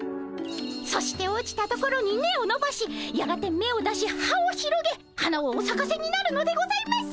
そして落ちたところに根をのばしやがてめを出し葉を広げ花をおさかせになるのでございます。